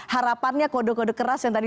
harapannya kode kode keras yang tadi